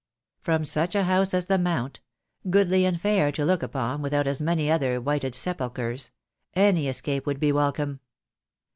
From such a house as the Mount — goodly and fair to look upon without as many other whited sepulchres — any escape would be welcome.